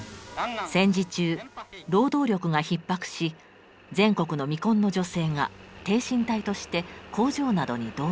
戦時中労働力がひっ迫し全国の未婚の女性が挺身隊として工場などに動員されました。